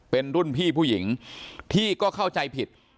เป็นรุ่นพี่ผู้หญิงที่ก็เข้าใจผิด